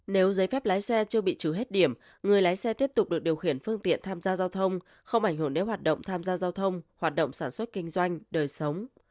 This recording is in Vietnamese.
nếu giấy phép lái xe chưa bị trừ hết điểm người lái xe tiếp tục được điều khiển phương tiện tham gia giao thông không ảnh hưởng đến hoạt động tham gia giao thông hoạt động sản xuất kinh doanh đời sống